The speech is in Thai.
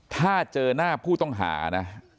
ถ้าเจอหน้าผู้ต้องหานะ